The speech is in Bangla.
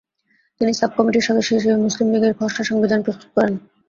তিনি সাব-কমিটির সদস্য হিসেবে মুসলিম লীগের খসড়া সংবিধান প্রস্তুত করেন।